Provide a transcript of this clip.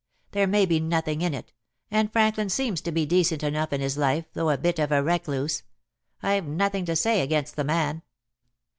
"There may be nothing in it, and Franklin seems to be decent enough in his life, though a bit of a recluse. I've nothing to say against the man."